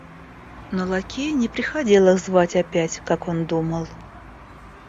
Но лакей не приходил их звать опять, как он думал.